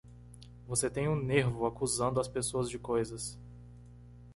Você tem um nervo acusando as pessoas de coisas!